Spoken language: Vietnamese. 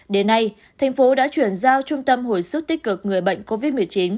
đến nay thành phố đã chuyển giao trung tâm hồi sức tích cực người bệnh covid một mươi chín